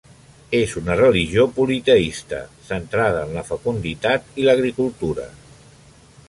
És una religió politeista centrada en la fecunditat i l'agricultura.